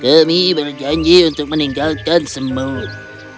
kami berjanji untuk meninggalkan semut